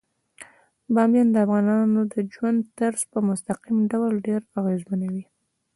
بامیان د افغانانو د ژوند طرز په مستقیم ډول ډیر اغېزمنوي.